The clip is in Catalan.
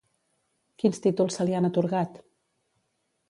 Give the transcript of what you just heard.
Quins títols se li han atorgat?